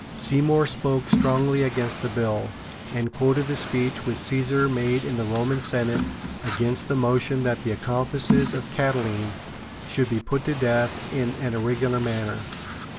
Seymour spoke strongly against the bill, and quoted the speech which Caesar made in the Roman Senate against the motion that the accomplices of Catiline should be put to death in an irregular manner.